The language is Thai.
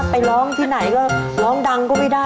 ไปร้องที่ไหนก็ร้องดังก็ไม่ได้